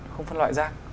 không phân loại rác